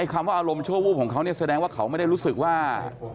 คำว่าอารมณ์ชั่ววูบของเขาเนี่ยแสดงว่าเขาไม่ได้รู้สึกว่า